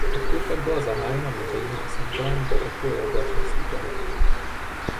Odtud pak byla zahájena měření a snímkování povrchu i oblačnosti planety.